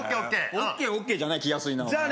「ＯＫＯＫ」じゃない気安いなあ